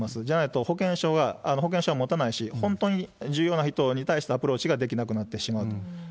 じゃないと、保健所はもたないし、本当に重要な人に対してアプローチができなくなってしまうと。